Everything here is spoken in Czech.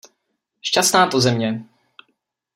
Šťastná to země!